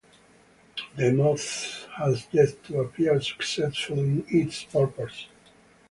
The moth has yet to appear successful in its purpose.